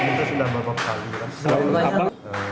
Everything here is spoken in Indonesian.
kita sudah beberapa kali